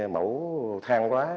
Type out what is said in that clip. mẫu thang hóa